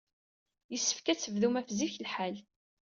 Yessefk ad tebdum ɣef zik lḥal.